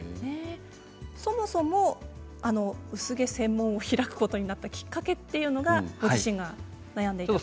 そもそも薄毛専門を開くことになったきっかけというのがご自身が悩んでいたと。